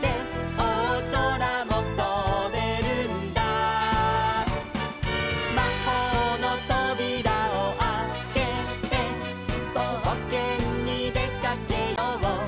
「おおぞらもとべるんだ」「まほうのとびらをあけて」「ぼうけんにでかけよう」